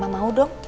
mama mau dong